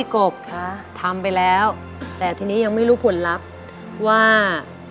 กบทำไปแล้วแต่ทีนี้ยังไม่รู้ผลลัพธ์ว่า